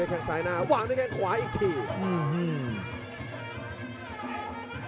อัคลาเดชเอาคืนครับ